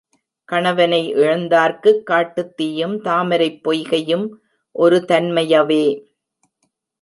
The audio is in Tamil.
கணவனை இழந்தார்க்குக் காட்டுத் தீயும், தாமரைப் பொய்கையும் ஒரு தன்மையவே.